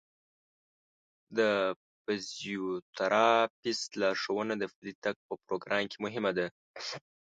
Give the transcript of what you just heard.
د فزیوتراپیست لارښوونه د پلي تګ په پروګرام کې مهمه ده.